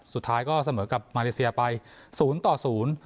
สุดท้ายก็เสมอกับมาเลเซียไปศูนย์ต่อศูนย์